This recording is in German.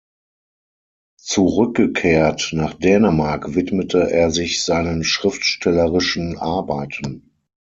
Zurückgekehrt nach Dänemark widmete er sich seinen schriftstellerischen Arbeiten.